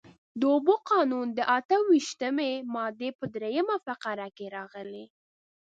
د اوبو قانون د اته ویشتمې مادې په درېیمه فقره کې راغلي.